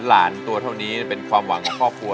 ตัวเท่านี้เป็นความหวังกับครอบครัว